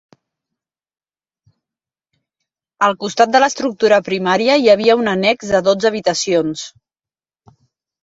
Al costat de l'estructura primària hi havia un annex de dotze habitacions.